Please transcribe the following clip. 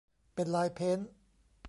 เป็นลายเพนต์